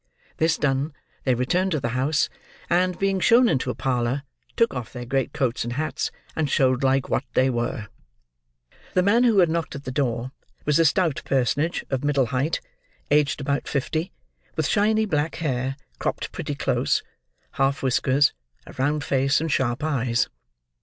This done, they returned to the house, and, being shown into a parlour, took off their great coats and hats, and showed like what they were. The man who had knocked at the door, was a stout personage of middle height, aged about fifty: with shiny black hair, cropped pretty close; half whiskers, a round face, and sharp eyes.